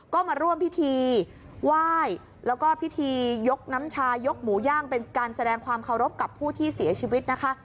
ก็มาร่วมพิธีไหว้แล้วก็พิธียกน้ำชายกหมูย่างเป็นการแสดงความเคารพกับผู้ที่เสียชีวิตนะคะ